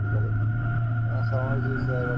Summer ji সাড়, পানি দিয়েছে।